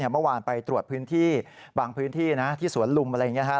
เมื่อวานไปตรวจบังพื้นที่ที่สวนลุมอะไรอย่างนี้